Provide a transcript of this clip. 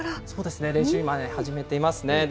そうですね、練習、今始めていますね。